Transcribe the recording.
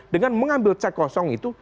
dengan mengambil cek kosong itu